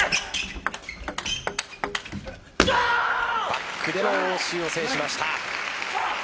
バックでの応酬を制しました。